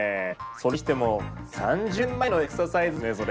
それにしても３０年前のエクササイズ像ですねそれ。